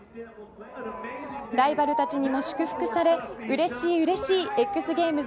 ライバルたちにも祝福されうれしいうれしいＸゲームズ